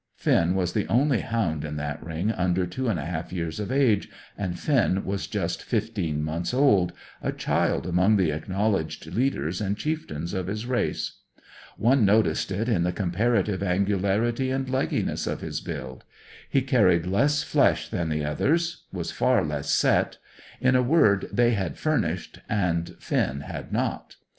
Finn was the only hound in that ring under two and a half years of age, and Finn was just fifteen months old, a child among the acknowledged leaders and chieftains of his race. One noticed it in the comparative angularity and leggyness of his build. He carried less flesh than the others, was far less set; in a word, they had "furnished," and Finn had not.